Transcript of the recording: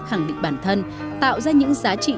khẳng định bản thân tạo ra những giá trị